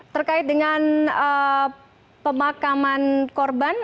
terkait dengan pemakaman korban